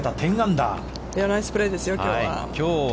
ナイスプレーですよ、きょうは。